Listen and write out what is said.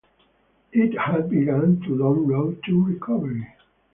It had begun the long road to recovery.